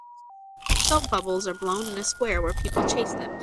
Soap bubbles are blown in a square where people chase them